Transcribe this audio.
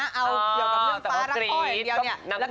เอาเกี่ยวกับเรื่องฟ้ารักพ่อแบบเดียวนี่